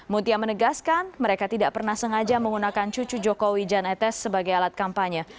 mutia menegaskan mereka tidak pernah sengaja menggunakan cucu jokowi jan etes sebagai alat kampanye